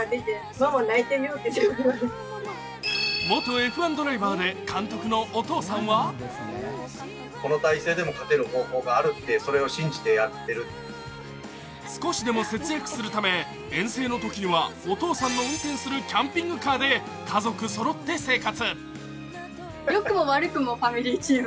元Ｆ１ドライバーで監督のお父さんは少しでも節約するため遠征のときは、お父さんの運転するキャンピングカーで家族そろって生活。